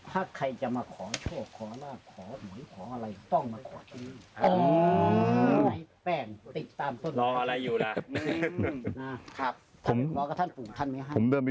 ถ้าใครจะมาขอโชคขอราคขอหน่วยขออะไร